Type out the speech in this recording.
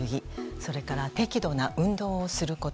それから適度な運動をすること。